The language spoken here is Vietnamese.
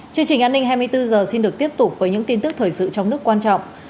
chương trình an ninh hai mươi bốn h xin được tiếp tục với những tin tức thời sự trong nước quan trọng